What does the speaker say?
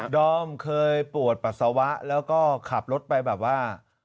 อมเคยปวดปัสสาวะแล้วก็ขับรถไปแบบว่า